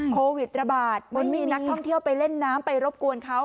โควิดระบาดเหมือนมีนักท่องเที่ยวไปเล่นน้ำไปรบกวนเขา